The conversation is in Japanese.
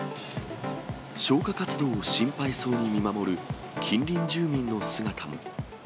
消火活動を心配そうに見守る近隣住民の姿も。